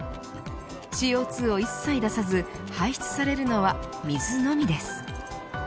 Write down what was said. ＣＯ２を一切出さず排出されるのは水のみです。